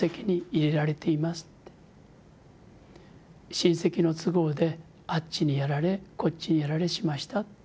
親戚の都合であっちにやられこっちにやられしました。